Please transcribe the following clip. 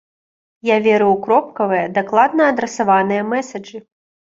Я веру ў кропкавыя, дакладна адрасаваныя мэсаджы.